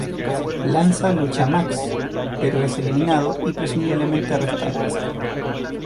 Lanza lucha Max, pero es eliminado y presumiblemente arrestado.